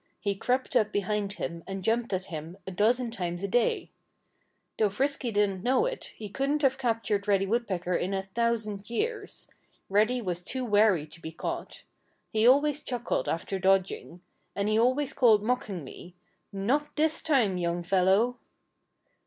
He crept up behind him and jumped at him a dozen times a day. Though Frisky didn't know it, he couldn't have captured Reddy Woodpecker in a thousand years. Reddy was too wary to be caught. He always chuckled after dodging. And he always called mockingly, "Not this time, young fellow!"